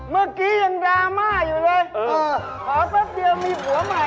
เมื่อกี้ยังดราม่าอยู่เลยขอแป๊บเดียวมีผัวใหม่